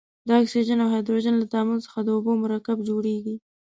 د اکسیجن او هایدروجن له تعامل څخه د اوبو مرکب جوړیږي.